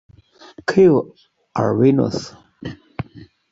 Kio alvenos?